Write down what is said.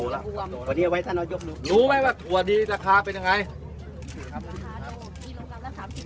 รู้มั้ยว่าถั่วนี้ราคาเป็นยังไง